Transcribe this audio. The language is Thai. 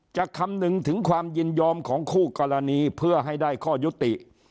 คำนึงถึงความยินยอมของคู่กรณีเพื่อให้ได้ข้อยุติ